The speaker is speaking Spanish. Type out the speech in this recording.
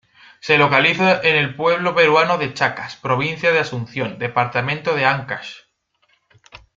Se localiza en el pueblo peruano de Chacas, provincia de Asunción, departamento de Áncash.